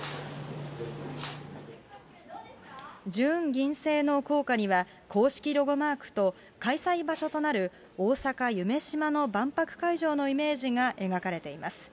純銀製の硬貨には、公式ロゴマークと、開催場所となる、大阪・夢洲の万博会場のイメージが描かれています。